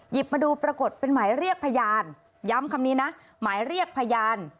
มาดูปรากฏเป็นหมายเรียกพยานย้ำคำนี้นะหมายเรียกพยาน